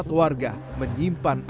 tidak ada apa apa